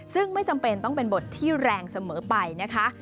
ซึ่งไม่จำเป็นต้องเป็นบทที่แรงเสมอไปนะคะ